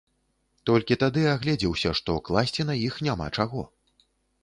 Толькі тады агледзеўся, што класці на іх няма чаго.